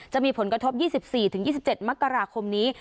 จะมีผลกระทบ๒๔๒๗มกราคมนี้